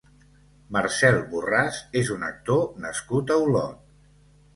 Marcel Borràs és un actor nascut a Olot.